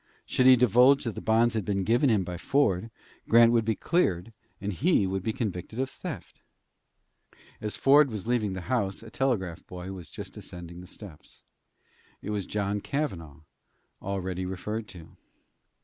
Should he divulge that the bonds had been given him by Ford, Grant would be cleared, and he would be convicted of theft. As Ford was leaving the house a telegraph boy was just ascending the steps. It was John Cavanagh, already referred to.